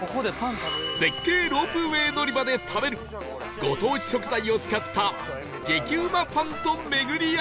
絶景ロープウェイ乗り場で食べるご当地食材を使った激うまパンと巡り合う事に